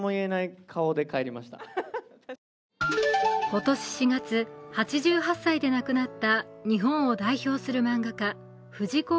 今年４月、８８歳で亡くなった日本を代表する漫画家藤子